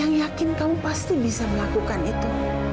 saya yakin kamu pasti bisa melakukan itu